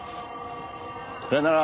さようなら。